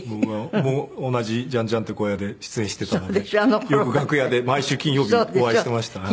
僕も同じジァン・ジァンっていう小屋で出演していたのでよく楽屋で毎週金曜日にお会いしていました。